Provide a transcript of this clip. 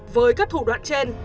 với các thủ đoạn trên